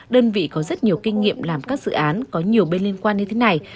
đơn vị có rất nhiều kinh nghiệm làm các dự án có nhiều bên liên quan như thế này